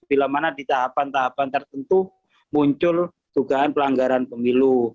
bila mana di tahapan tahapan tertentu muncul dugaan pelanggaran pemilu